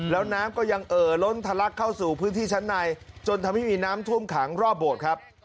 แล้วน้ำก็ยังเอ่อล้นทะลักเข้าสู่พื้นที่ชั้นในจนทำให้มีน้ำท่วมขังรอบโบสถ์ครับ